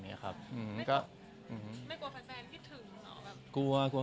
ไม่กลัวแฟนคิดถึงหรอ